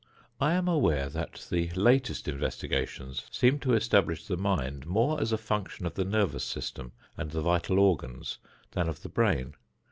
I am aware that the latest investigations seem to establish the mind more as a function of the nervous system and the vital organs than of the brain.